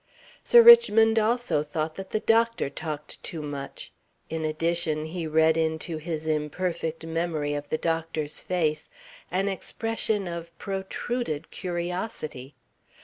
Sir Richmond also thought that the doctor talked too much. In addition, he read into his imperfect memory of the doctor's face, an expression of protruded curiosity.